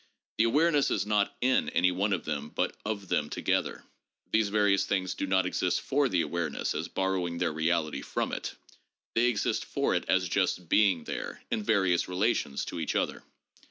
The awareness is not in any one of them but of them together. These various things do not exist for the awareness as borrowing their reality from it. They exist for it as just being there, in various rela tions to each other.